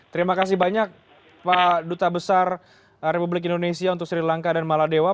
terima kasih banyak pak duta besar republik indonesia untuk sri lanka dan maladewa